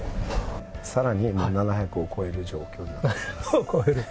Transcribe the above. さらにもう、７００を超える状況になっております。